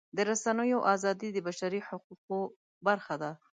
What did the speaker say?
د رسنیو ازادي د بشري حقونو برخه ده.